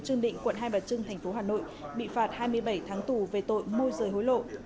trường định quận hai bà trưng tp hà nội bị phạt hai mươi bảy tháng tù về tội môi rời hối lộ